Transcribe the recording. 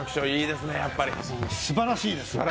すばらしいです！